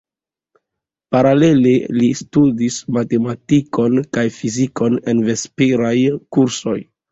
Paralele li studis matematikon kaj fizikon en vesperaj kursoj.